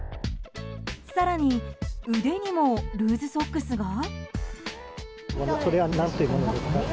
更に、腕にもルーズソックスが。